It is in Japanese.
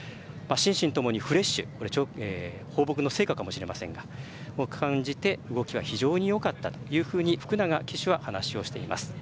心身ともにフレッシュ放牧の成果かもしれませんが感じて動きは非常によかったというふうに福永騎手は話をしています。